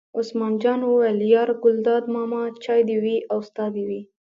عثمان جان وویل: یار ګلداد ماما چای دې وي او ستا دې وي.